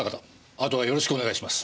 あとはよろしくお願いします。